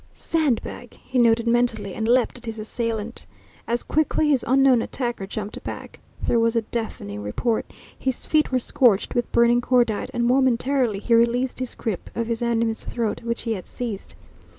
"Sandbag," he noted mentally, and leapt at his assailant. As quickly his unknown attacker jumped back. There was a deafening report. His feet were scorched with burning cordite, and momentarily he released his grip of his enemy's throat, which he had seized.